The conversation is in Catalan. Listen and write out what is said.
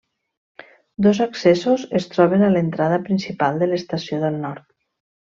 Dos accessos es troben a l'entrada principal de l'Estació del Nord.